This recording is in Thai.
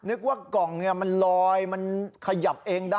นึกว่ากล่องมันลอยมันขยับเองได้